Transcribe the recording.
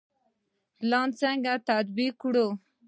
پلان څنګه تطبیق کړو؟